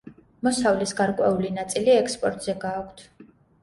მოსავლის გარკვეული ნაწილი ექსპორტზე გააქვთ.